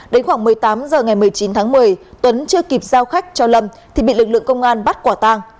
đến khoảng một mươi tám h ngày một mươi chín tháng một mươi tuấn chưa kịp giao khách cho lâm thì bị lực lượng công an bắt quả tang